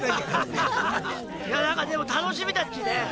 ハハハハいやなんかでもたのしみだっちね。